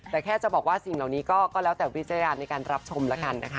แต่แค่จะบอกว่าสิ่งเหล่านี้ก็แล้วแต่วิจารณญาณในการรับชมแล้วกันนะคะ